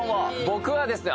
僕はですね